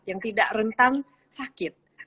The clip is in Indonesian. yang tidak rentan sakit